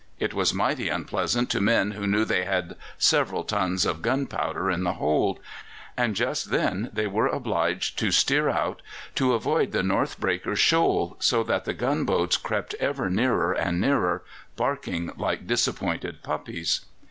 It was mighty unpleasant to men who knew they had several tons of gunpowder in the hold; and just then they were obliged to steer out to avoid the North Breaker shoal, so that the gunboats crept ever nearer and nearer, barking like disappointed puppies.